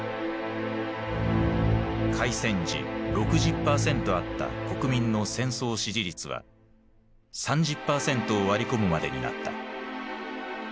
開戦時６０％あった国民の戦争支持率は３０％を割り込むまでになった。